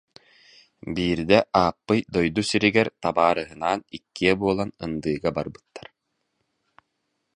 Биирдэ Ааппый дойду сиригэр табаарыһынаан иккиэ буолан ындыыга барбыттар